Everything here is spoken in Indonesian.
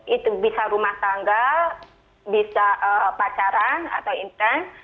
itu bisa rumah tangga bisa pacaran atau intens